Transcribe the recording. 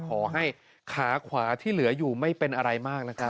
ขอให้ขาขวาที่เหลืออยู่ไม่เป็นอะไรมากนะครับ